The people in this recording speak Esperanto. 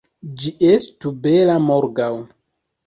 Ĝi estu bela morgaŭ!